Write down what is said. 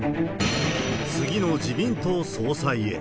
次の自民党総裁へ。